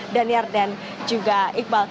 daniel dan juga iqbal